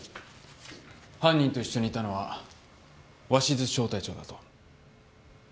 犯人と一緒にいたのは鷲頭小隊長だと。